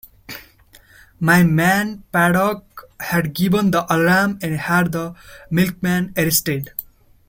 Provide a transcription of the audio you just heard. My man Paddock had given the alarm and had the milkman arrested.